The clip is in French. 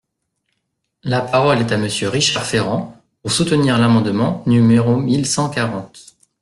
La parole est à Monsieur Richard Ferrand, pour soutenir l’amendement numéro mille cent quarante.